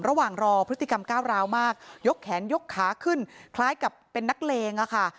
ระหว่างรอพฤติกรรมก้าวร้าวมากยกแขนยกขาขึ้นคล้ายกับเป็นนักเลงอะค่ะ